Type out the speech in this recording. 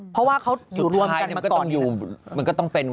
เพราะว่าเขาอยู่รวมกันก่อน